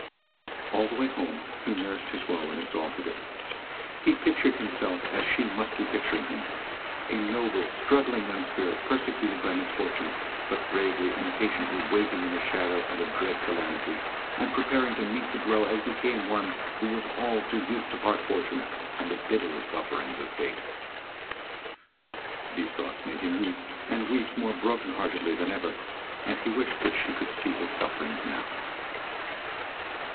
All the way home he nursed his woe and exalted it. He pictured himself as she must be picturing him: a noble, struggling young spirit persecuted by misfortune, but bravely and patiently waiting in the shadow of a dread calamity and preparing to meet the blow as became one who was all too used to hard fortune and the pitiless buffetings of fate. These thoughts made him weep, and weep more broken heartedly than ever; and he wished that she could see his sufferings now.